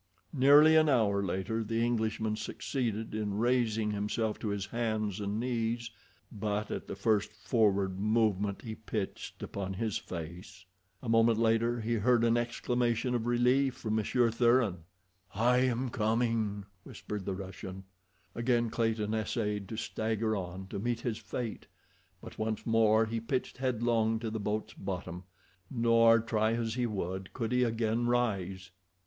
Nearly an hour later the Englishman succeeded in raising himself to his hands and knees, but at the first forward movement he pitched upon his face. A moment later he heard an exclamation of relief from Monsieur Thuran. "I am coming," whispered the Russian. Again Clayton essayed to stagger on to meet his fate, but once more he pitched headlong to the boat's bottom, nor, try as he would, could he again rise.